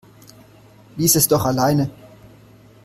Lies es doch alleine!